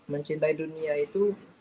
mencintai dunia itu